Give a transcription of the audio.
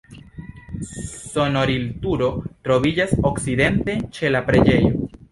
Sonorilturo troviĝas okcidente ĉe la preĝejo.